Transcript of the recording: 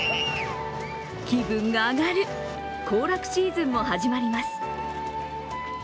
気分が上がる行楽シーズンも始まります。